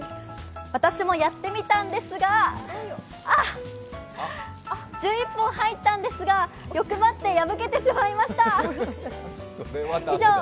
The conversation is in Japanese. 私もやってみたんですが、１１本入ったんですが、欲張って破けてしまいました。